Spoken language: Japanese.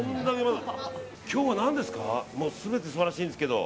今日は何ですか全て素晴らしいんですけど。